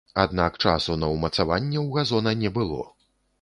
Аднак часу на ўмацаванне ў газона не было.